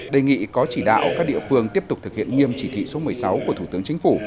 đề nghị có chỉ đạo các địa phương tiếp tục thực hiện nghiêm chỉ thị số một mươi sáu của thủ tướng chính phủ